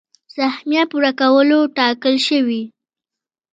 سهميه پوره کولو ټاکل شوي.